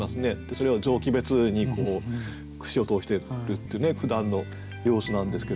それを臓器別に串を通してるっていうふだんの様子なんですけども。